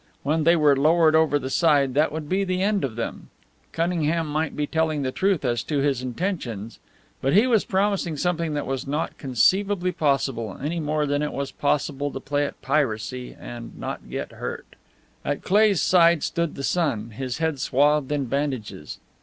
When they were lowered over the side that would be the end of them. Cunningham might be telling the truth as to his intentions; but he was promising something that was not conceivably possible, any more than it was possible to play at piracy and not get hurt. At Cleigh's side stood the son, his head swathed in bandages.